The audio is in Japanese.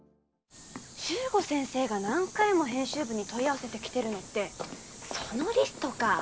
十五先生が何回も編集部に問い合わせてきてるのってそのリストかぁ。